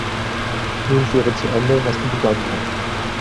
Nun führe zu Ende, was du begonnen hast.